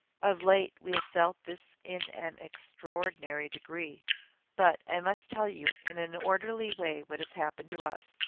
Of late, we have felt this in an extraordinary degree. But I must tell you in an orderly way what has happened to us.